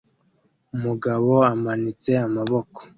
Umugabo amanitse amaboko